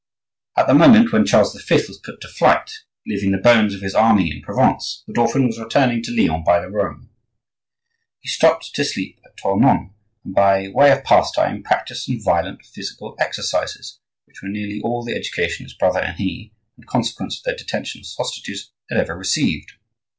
At the moment when Charles V. was put to flight, leaving the bones of his army in Provence, the dauphin was returning to Lyon by the Rhone. He stopped to sleep at Tournon, and, by way of pastime, practised some violent physical exercises,—which were nearly all the education his brother and he, in consequence of their detention as hostages, had ever received.